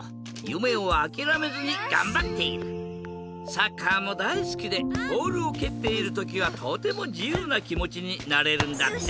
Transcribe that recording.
サッカーもだいすきでボールをけっているときはとてもじゆうなきもちになれるんだって。